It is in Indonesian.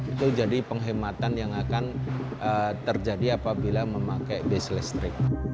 itu jadi penghematan yang akan terjadi apabila memakai bis listrik